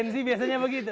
gen z biasanya begitu